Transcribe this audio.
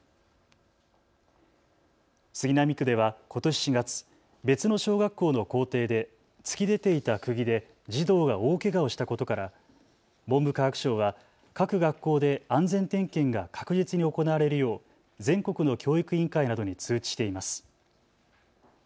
杉並区ではことし４月、別の小学校の校庭で突き出ていたくぎで児童が大けがをしたことから文部科学省は各学校で安全点検が確実に行われるよう全国の教育委員会などに通知しています。